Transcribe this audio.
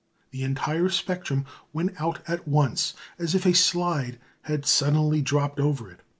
The entire spectrum went out at once, as if a slide had suddenly dropped over it.